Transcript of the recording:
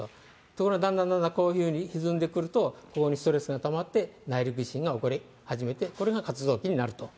ところがだんだんだんだんこういうふうにひずんでくると、非常にストレスがたまって、内陸地震が起こり始めて、これが活動期になると。